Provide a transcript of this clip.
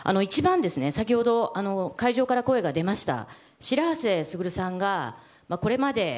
先ほど、会場から声が出ました。